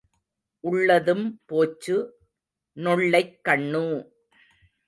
உள்ளதும் போச்சு நொள்ளைக் கண்ணு!